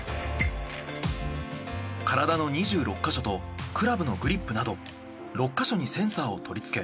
体の２６か所とクラブのグリップなど６か所にセンサーを取りつけ